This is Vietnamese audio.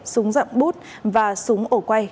súng dặm bút và súng ổ quay